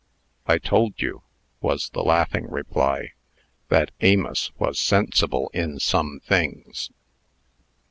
"I told you," was the laughing reply, "that 'Amos was sensible in some things.'"